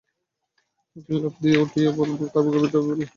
অতীন লাফ দিয়ে দাঁড়িয়ে উঠতেই তার বুকের উপর সে ঝাঁপিয়ে পড়ল।